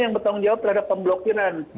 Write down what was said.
yang bertanggung jawab terhadap pemblokiran